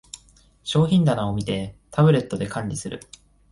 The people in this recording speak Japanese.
商品棚を見て、タブレットで管理する